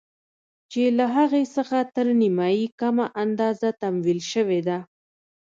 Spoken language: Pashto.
چې له هغې څخه تر نيمايي کمه اندازه تمويل شوې ده.